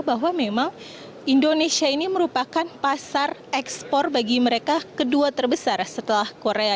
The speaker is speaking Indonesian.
bahwa memang indonesia ini merupakan pasar ekspor bagi mereka kedua terbesar setelah korea